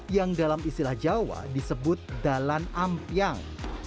yang dalam istilah jawa disebut dalan ampiang